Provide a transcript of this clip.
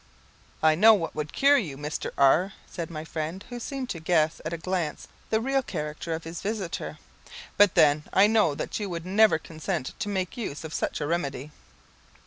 "I know what would cure you, Mr. R ," said my friend, who seemed to guess at a glance the real character of his visitor; "but then I know that you would never consent to make use of such a remedy."